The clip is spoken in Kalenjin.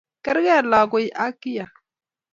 Kergei lagoi ak kiyak.